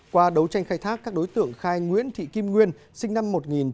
qua đấu tranh khai thác các đối tượng khai nguyễn thị kim nguyên sinh năm một nghìn chín trăm tám mươi